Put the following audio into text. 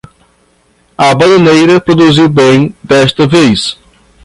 A bananeira produziu bem desta vez